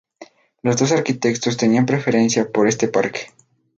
Los dos arquitectos tenían preferencia por este parque.